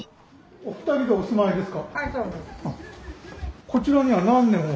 お二人でお住まいですか？